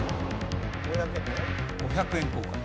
５００円ね。